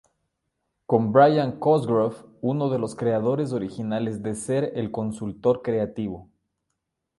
Con Brian Cosgrove, uno de los creadores originales de ser el consultor creativo.